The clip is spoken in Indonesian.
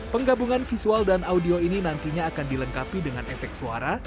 penggabungan visual dan audio ini nantinya akan dilengkapi dengan efek suara